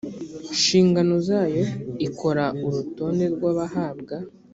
nshingano zayo ikora urutonde rw abahabwa